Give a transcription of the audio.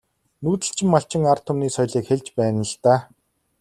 Нүүдэлчин малчин ард түмний соёлыг хэлж байна л даа.